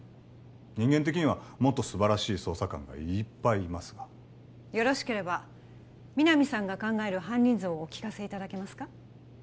人間的にはもっと素晴らしい捜査官がいっぱいいますがよろしければ皆実さんが考える犯人像をお聞かせいただけますか？